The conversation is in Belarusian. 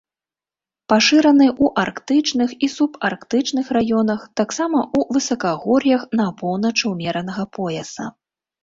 Пашыраны ў арктычных і субарктычных раёнах, таксама ў высакагор'ях на поўначы ўмеранага пояса.